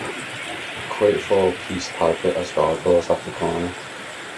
A quatrefoil pierced parapet has gargoyles at the corner.